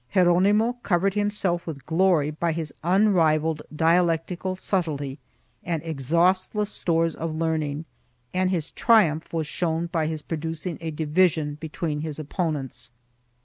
Geronimo covered himself with glory by his unrivalled dialectical subtilty and exhaustless stores of learning and his triumph was shown by his producing a division between his opponents.